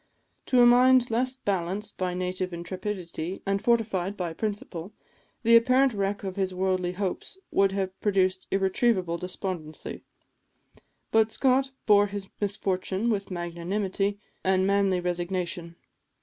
To a mind less balanced by native intrepidity and fortified by principle, the apparent wreck of his worldly hopes would have produced irretrievable despondency; but Scott bore his misfortune with magnanimity and manly resignation.